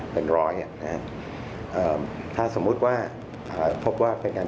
เป็นร้อยถ้าสมมุติว่าพบว่า